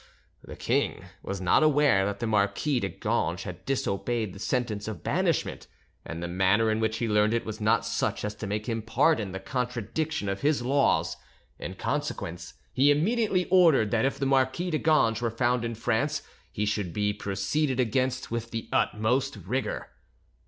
The king was not aware that the Marquis do Ganges had disobeyed the sentence of banishment, and the manner in which he learned it was not such as to make him pardon the contradiction of his laws. In consequence he immediately ordered that if the Marquis de Ganges were found in France he should be proceeded against with the utmost rigour.